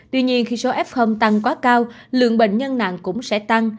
tuy nhiên khi số f tăng quá cao lượng bệnh nhân nặng cũng sẽ tăng